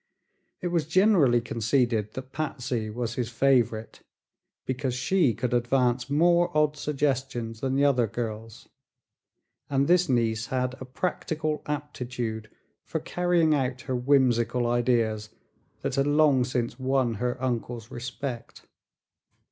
It was generally conceded that Patsy was his favorite because she could advance more odd suggestions than the other girls, and this niece had a practical aptitude for carrying out her whimsical ideas that had long since won her uncle's respect.